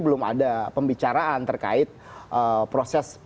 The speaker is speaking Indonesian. belum ada pembicaraan terkait proses